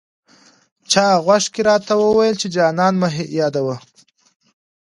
چا غوږ کې راته وویې چې جانان مه یادوه.